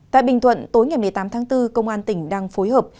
tại bình thuận tối ngày một mươi tám tháng bốn công an tỉnh đang phối hợp